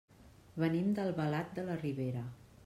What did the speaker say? Venim d'Albalat de la Ribera.